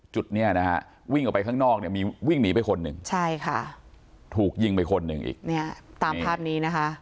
จุดเนี่ยนะฮะวิ่งออกไปข้างนอกเนี่ยมีวิ่งหนีไปคนหนึ่งใช่ค่ะถูกยิงไปคนหนึ่งอีกเนี่ยตามภาพนี้นะคะ